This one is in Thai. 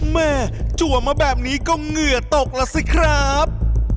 แม่จัวมาแบบนี้ก็เหงื่อตกล่ะสิครับ